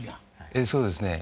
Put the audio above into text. ええそうですね。